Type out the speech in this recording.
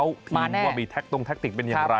แล้วมันว่ามีแท็กตรงแท็กติกเป็นอย่างไร